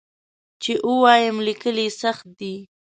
چې ووایم لیکل یې سخت دي.